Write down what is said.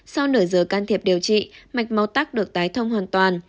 sau nửa giờ can thiệp điều trị mạch máu tắc được tái thông hoàn toàn